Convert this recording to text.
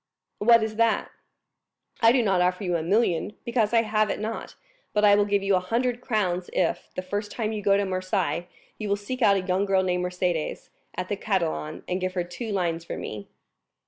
"What is that?" "I do not offer you a million, because I have it not; but I will give you a hundred crowns if, the first time you go to Marseilles, you will seek out a young girl named Mercédès, at the Catalans, and give her two lines from me."